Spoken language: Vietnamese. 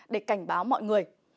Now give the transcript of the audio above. để cảnh báo mọi người